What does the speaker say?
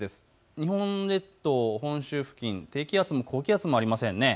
日本列島の本州付近、低気圧も高気圧もありません。